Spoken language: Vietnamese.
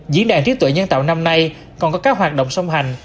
diễn đàn trí tuệ nhân tạo năm nay còn có các hoạt động song hành